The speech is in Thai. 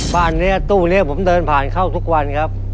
บ้านนี้ตู้นี้ผมเดินผ่านเข้าทุกวันครับ